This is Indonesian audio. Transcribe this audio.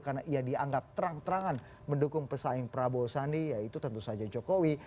karena ia dianggap terang terangan mendukung pesaing prabowo sandi yaitu tentu saja jokowi